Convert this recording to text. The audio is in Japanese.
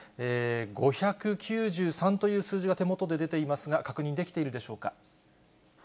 ５９３という数字が手元で出ていますが、確認できているでしょうか。